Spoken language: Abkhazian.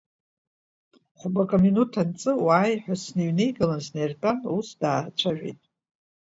Хәбаҟа минуҭ анҵы, уааи ҳәа сныҩнеигалан, снаиртәан ус даацәажәеит…